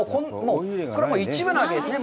これはもう一部なわけですね。